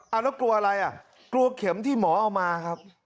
เอาแล้วกลัวอะไรอ่ะกลัวเข็มที่หมอเอามาครับ